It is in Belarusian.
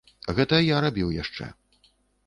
Гэта я рабіў яшчэ.